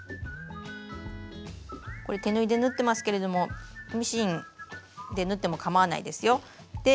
これ手縫いで縫ってますけれどもミシンで縫ってもかまわないですよ。